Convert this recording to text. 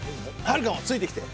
はるかもついてきて。